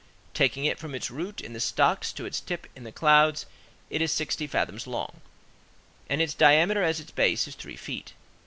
Taking it from its root in the stocks to its tip in the clouds, it is sixty fathoms long, and its diameter at its base is three feet.